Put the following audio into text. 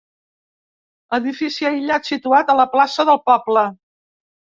Edifici aïllat situat a la plaça del poble.